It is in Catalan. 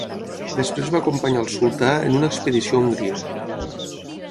Després va acompanyar al sultà en una expedició a Hongria.